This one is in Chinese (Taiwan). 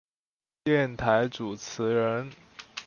電台主持人